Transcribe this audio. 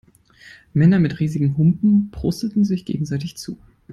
Männer mit riesigen Humpen prosteten sich gegenseitig zu.